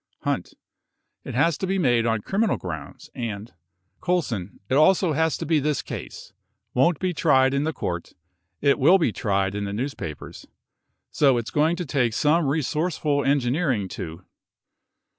H. It has to be made on criminal grounds and ... C. It also has to be this case, won't be tried in the court, it will be tried in the newspapers. So it's going to take some re sourceful engineering to